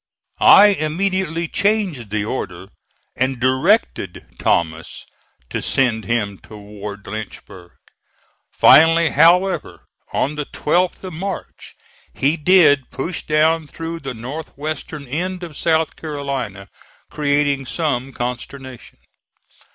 I immediately changed the order, and directed Thomas to send him toward Lynchburg. Finally, however, on the 12th of March, he did push down through the north western end of South Carolina, creating some consternation.